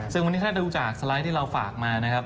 ซึ่งวันนี้ถ้าดูจากสไลด์ที่เราฝากมานะครับ